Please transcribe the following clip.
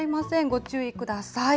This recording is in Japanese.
ご注意ください。